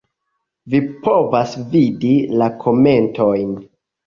Vi povas vidi la komentojn.